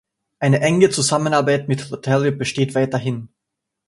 Eine enge Zusammenarbeit mit Rotary besteht weiterhin.